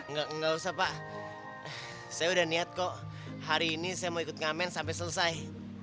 nggak usah pak saya udah niat kok hari ini saya mau ikut ngamen sampai selesai